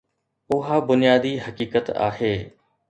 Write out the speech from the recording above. اها بنيادي حقيقت آهي.